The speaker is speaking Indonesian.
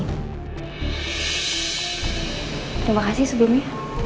terima kasih sebelumnya